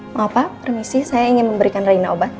ma papa permisi saya ingin memberikan rina obat